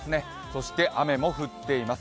そして雨も降っています。